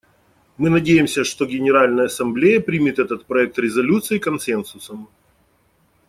Мы надеемся, что Генеральная Ассамблея примет этот проект резолюции консенсусом.